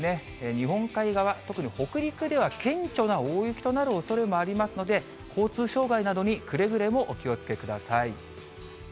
日本海側、特に北陸では顕著な大雪となるおそれもありますので、交通障害などにくれぐれもお気をつけください。